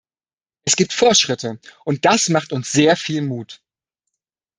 Es gibt Fortschritte, und das macht uns sehr viel Mut.